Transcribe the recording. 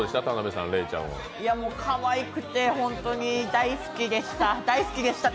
かわいくて、本当に大好きでした。